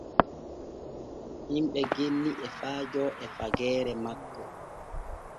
Himɓe genni e faajo e fageere makko.